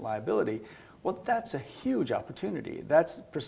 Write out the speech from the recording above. itu adalah kesempatan yang besar